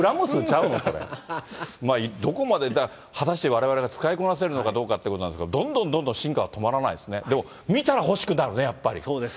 どこまで、果たしてわれわれが使いこなせるのかどうかというところなんですが、どんどんどんどん進化は止まらないですね、でも見たら欲しくなるね、やっぱり。